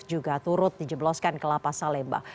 juga turut dijebloskan ke lapa salemba